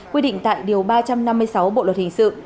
quy định tại điều ba trăm năm mươi sáu bộ luật hình sự